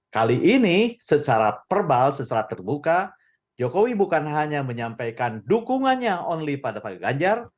kali ini secara verbal secara terbuka jokowi bukan hanya menyampaikan dukungannya only pada pak ganjar